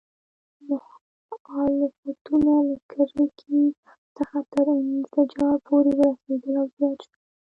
مخالفتونه له کرکې څخه تر انزجار پورې ورسېدل او زیات شول.